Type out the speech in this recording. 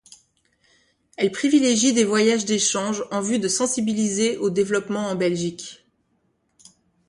Elle privilégie des voyages d'échange, en vue de sensibiliser au développement en Belgique.